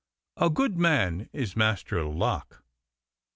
A good man is Master Locke.